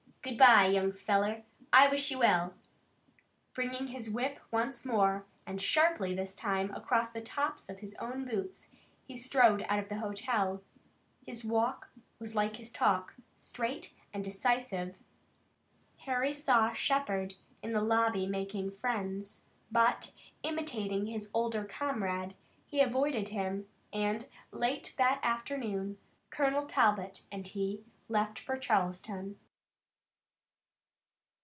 Good bye, young feller. I wish you well." Bringing his whip once more, and sharply this time, across the tops of his own boots, he strode out of the hotel. His walk was like his talk, straight and decisive. Harry saw Shepard in the lobby making friends, but, imitating his older comrade, he avoided him, and late that afternoon Colonel Talbot and he left for Charleston.